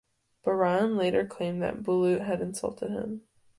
Baran later claimed that Bulut had insulted him.